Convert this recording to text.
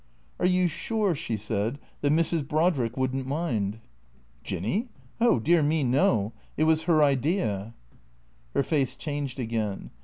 " Are you sure," she said, " that Mrs. Brodrick would n't mind?" " Jinny ? Oh dear me, no. It was her idea." Her face changed again.